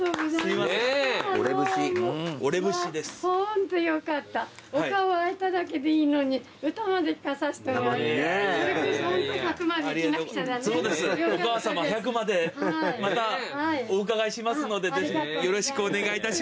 またお伺いしますのでぜひよろしくお願いいたします。